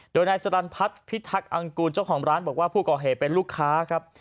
โดยนายสรรพัฒน์พิทักษ์อังกูลเจ้าของร้านบอกว่าผู้ก่อเหตุเป็นลูกค้าครับ